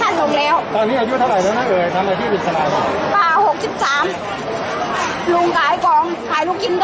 อาหรับเชี่ยวจามันไม่มีควรหยุด